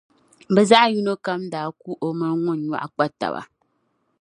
bɛ zaɣ’ yino kam daa ku o mini ŋun nyɔɣu kpa taba.